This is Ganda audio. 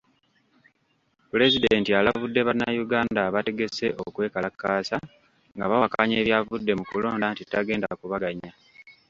Pulezidenti alabudde bannayuganda abategese okwekalakaasa nga bawakkanya ebyavudde mukulonda nti tagenda kubaganya.